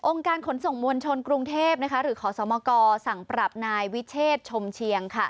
การขนส่งมวลชนกรุงเทพหรือขอสมกสั่งปรับนายวิเชษชมเชียง